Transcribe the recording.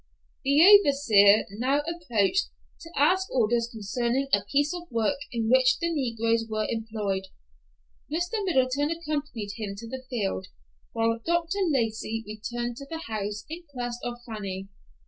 The overseer now approached to ask orders concerning a piece of work in which the negroes were employed. Mr. Middleton accompanied him to the field, while Dr. Lacey returned to the house in quest of Fanny.